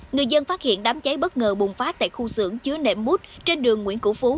người dân phát hiện đám cháy bất ngờ bùng phát tại khu xưởng chứa nệm mút trên đường nguyễn cửu phú